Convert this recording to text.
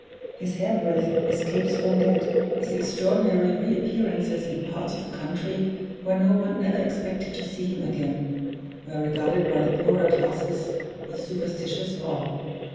His hair breadth escapes from death; his extraordinary re appearances in parts of the country where no one ever expected to see him again, were regarded by the poorer classes with superstitious awe.